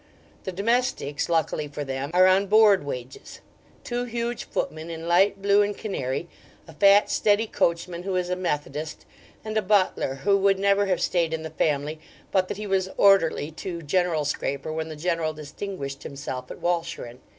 The domestics, luckily for them, are on board wages two huge footmen in light blue and canary, a fat steady coachman who is a Methodist, and a butler who would never have stayed in the family but that he was orderly to General Scraper when the General distinguished himself at Walcheren.